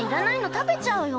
食べちゃうよ」